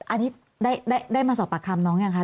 อันนี้ได้มาสอบปากคำน้องยังคะ